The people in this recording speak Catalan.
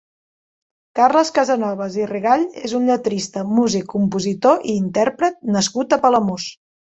Carles Casanovas i Rigall és un lletrista, músic, compositor i intèrpret, nascut a Palamós.